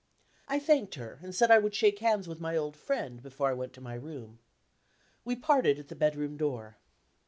I thanked her, and said I would shake hands with my old friend before I went to my room. We parted at the bedroom door.